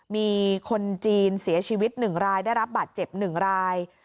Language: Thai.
มีคนจีนเสียชีวิต๑รายได้รับบาดเจ็บ๑ราย